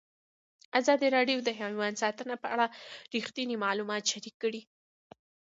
ازادي راډیو د حیوان ساتنه په اړه رښتیني معلومات شریک کړي.